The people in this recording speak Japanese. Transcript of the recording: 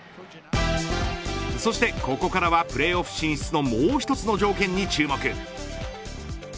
そして、ここからはプレーオフ進出のもう１つの条件に注目。